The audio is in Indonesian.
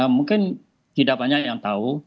mungkin tidak banyak yang tahu